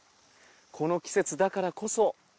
この季節だからこそ。